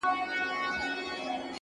خاموش پرمختګ تر لوړ شعار اغېزمن وي